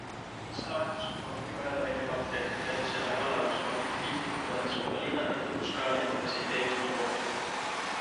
Teise lahendusena pakuti Kajale välja kaldteed, kuid et selle kalle oleks ulatunud piltlikult öeldes poole linnani, tundus Kajale endale see idee üsna utoopiline.